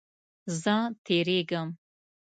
زه تیریږم